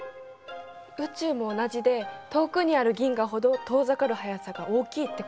宇宙も同じで遠くにある銀河ほど遠ざかる速さが大きいってことなのね。